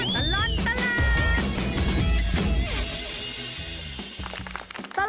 ชั่วตลอดตลาด